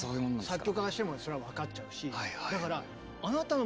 作曲家からしてもそれは分かっちゃうし。